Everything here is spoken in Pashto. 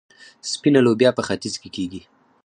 سپینه لوبیا په ختیځ کې کیږي.